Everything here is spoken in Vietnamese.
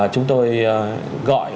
chúng tôi gọi